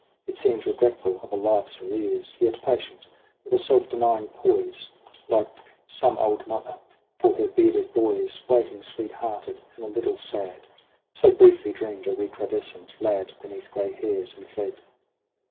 It seemed regretful of a life's arrears, Yet patient, with a self denying poise, Like some old mother for her bearded boys Waiting sweet hearted and a little sad. So briefly dreamed a recrudescent lad Beneath gray hairs, and fled.